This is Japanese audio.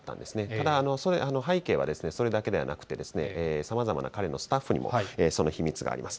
ただ、背景はそれだけではなくて、さまざまな彼のスタッフにも、その秘密があります。